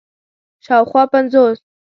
شاوخوا پنځوس